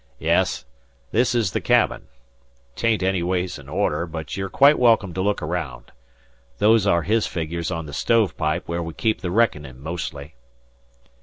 Yes, this is the cabin. 'Tain't in order, but you're quite welcome to look araound. Those are his figures on the stove pipe, where we keep the reckonin' mostly."